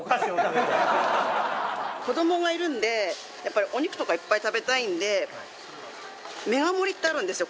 子どもがいるんでやっぱりお肉とかいっぱい食べたいんでメガ盛りってあるんですよ